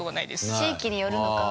地域によるのか。